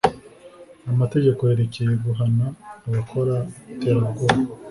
amategeko yerekeye guhana abakora iterabwoba